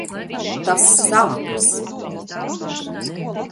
Tas sākas!